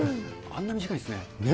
あんな短いんですね。